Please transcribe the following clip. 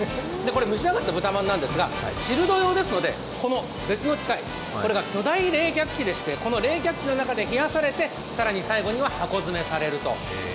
蒸し上がった豚まんですが、チルド用ですので、別の機械、これが巨大冷却機でしてこの冷却機の中で冷やされて、最後には箱詰めされると。